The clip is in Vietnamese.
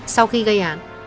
sau khi gây án